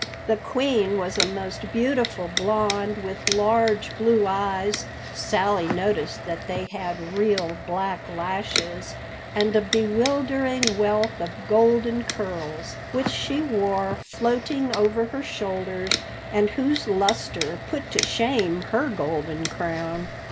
The Queen was a most beautiful blond, with large, blue eyes—Sally noticed that they had real, black lashes—and a bewildering wealth of golden curls, which she wore floating over her shoulders and whose luster put to shame her golden crown.